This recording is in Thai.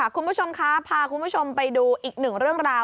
คุณผู้ชมคะพาคุณผู้ชมไปดูอีกหนึ่งเรื่องราว